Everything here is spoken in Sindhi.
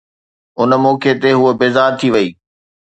ان موقعي تي هوءَ بيزار ٿي وئي